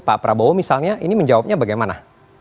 pak prabowo misalnya ini menjawabnya bagaimana